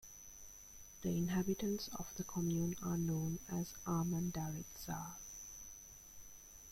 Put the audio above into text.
The inhabitants of the commune are known as "Armendariztar".